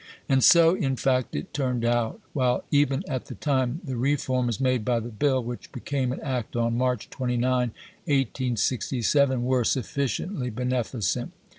And so, in fact, it turned out; while, even at the time, the reforms made by the Bill, which became an Act on March 29, 1867, were sufficiently beneficent.